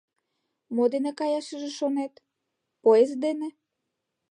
— Мо дене каяшыже шонет, поезд дене?